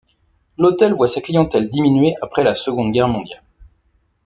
L'hôtel voit sa clientèle diminuer après la Seconde Guerre mondiale.